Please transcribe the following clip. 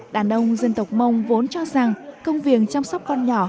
đàn ông dân tộc mông vốn cho rằng công viên chăm sóc con nhỏ